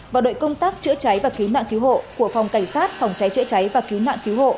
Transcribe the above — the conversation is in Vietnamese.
và đội công tác chữa cháy và cứu nạn cứu hộ của phòng cảnh sát phòng cháy chữa cháy và cứu nạn cứu hộ